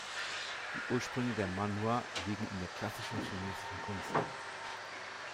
Die Ursprünge der Manhwa liegen in der klassischen chinesischen Kunst.